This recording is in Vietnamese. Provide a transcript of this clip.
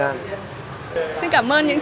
xin cảm ơn những chia sẻ của bùi tiến dũng